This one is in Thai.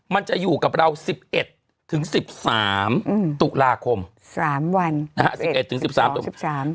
มันจะอยู่กับเรา๑๑ถึง๑๓ตุลาคม๓วัน๑๑ถึง๑๓ตุลาคม